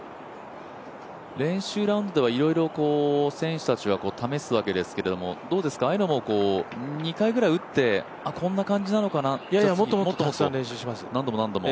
練習ラウンドではいろいろ選手たちは試すわけですけども、どうですか、ああいうのも２回ぐらい打ってこんな感じなのかな、いやいやもっと何度も何度も。